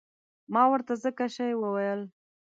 ما ورته ځکه شی وویل.